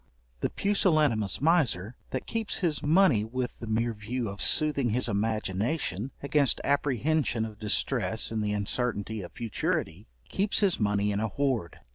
The pusillanimous miser, that keeps his money with the mere view of soothing his imagination against apprehension of distress in the uncertainty of futurity, keeps his money in a hoard.